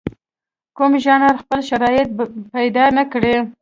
کوم ژانر خپل شرایط پیدا نکړي.